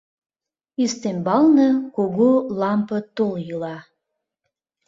Ӱстембалне кугу лампе тул йӱла...